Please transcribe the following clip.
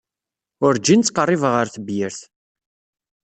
Werǧin ttqerribeɣ ɣer tebyirt.